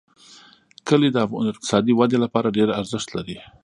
کلي د اقتصادي ودې لپاره ډېر ارزښت لري.